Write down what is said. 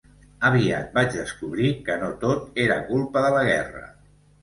Aviat vaig descobrir que no tot era culpa de la guerra.